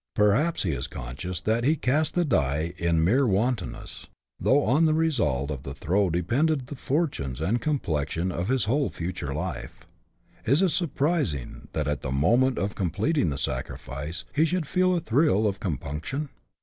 Perhaps he is conscious that he cast the die in mere wantonness, though on the result of the throw depended the fortunes and complexion of his CHAP. I.] ■ DESCRIPTION OF STATION. 11 whole future life. Is it surprising that, at the moment of com pleting the sacrifice, he should feel a thrill of compunction